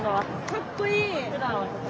かっこいい。